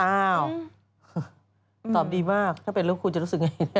อ้าวตอบดีมากถ้าเป็นลูกคุณจะรู้สึกยังไง